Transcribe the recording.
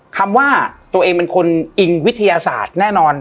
คำว่าตัวเองเป็นคนอิงวิทยาศาสตร์แน่นอน